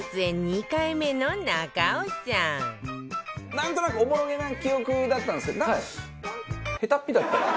なんとなくおぼろげな記憶だったんですけど下手っぴだった。